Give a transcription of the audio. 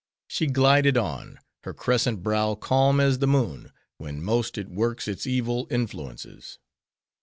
She glided on: her crescent brow calm as the moon, when most it works its evil influences.